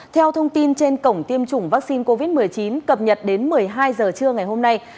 theo thông tin trên cổng tiêm chủng vaccine covid một mươi chín cập nhật đến một mươi hai h trưa ngày hôm nay